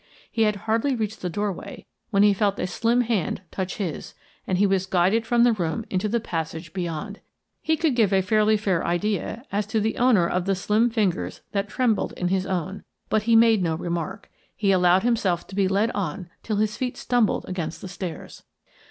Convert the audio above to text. He had hardly reached the doorway when he felt a slim hand touch his, and he was guided from the room into the passage beyond. He could give a pretty fair idea as to the owner of the slim fingers that trembled in his own, but he made no remark; he allowed himself to be led on till his feet stumbled against the stairs.